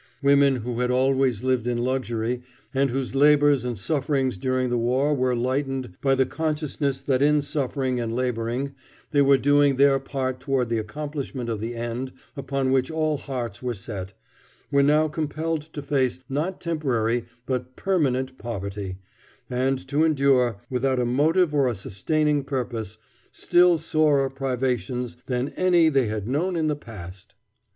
Women who had always lived in luxury, and whose labors and sufferings during the war were lightened by the consciousness that in suffering and laboring they were doing their part toward the accomplishment of the end upon which all hearts were set, were now compelled to face not temporary but permanent poverty, and to endure, without a motive or a sustaining purpose, still sorer privations than any they had known in the past.